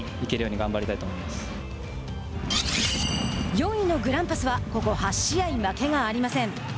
４位のグランパスはここ８試合、負けがありません。